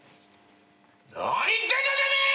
何言ってんだてめえ！！